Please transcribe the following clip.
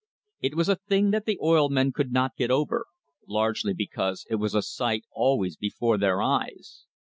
It was a thing that the oil men could not get over, largely because it was a sight always before their eyes.